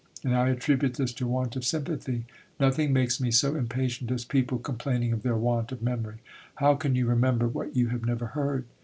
And I attribute this to want of sympathy. Nothing makes me so impatient as people complaining of their want of memory. How can you remember what you have never heard?...